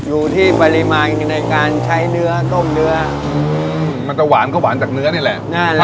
อยู่ที่ปริมาณในการใช้เนื้อต้มเนื้อมันจะหวานก็หวานจากเนื้อนี่แหละ